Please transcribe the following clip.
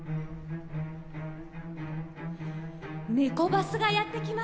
ネコバスがやって来ました。